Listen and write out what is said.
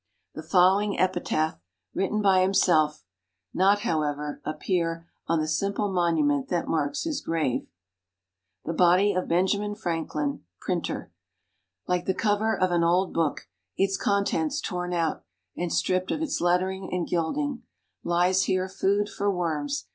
The following epitaph, written by himself, not, however, appear on the simple monument that marks his grave: The Body of Benjamin Franklin, Printer (Like the cover of an old book, Its contents torn out, And stripped of its lettering and gilding,) Lies here food for worms.